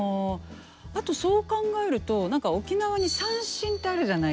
あとそう考えると沖縄に三線ってあるじゃないですか。